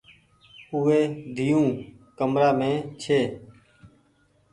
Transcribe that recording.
اوئي ۮييون ڪمرآ مين ڇي۔